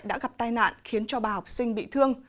đã gặp tai nạn khiến cho ba học sinh bị thương